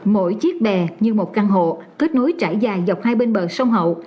mỗi chiếc bè như một căn hộ kết nối trải dài dọc hai bên bờ sông hậu